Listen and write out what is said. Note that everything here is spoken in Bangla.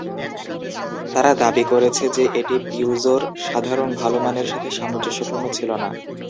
তারা দাবি করেছে যে এটি পিউজো'র সাধারণ "ভালো" মানের সাথে সামঞ্জস্যপূর্ণ ছিল না।